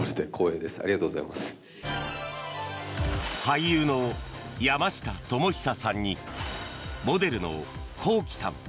俳優の山下智久さんにモデルのＫｏｋｉ，さん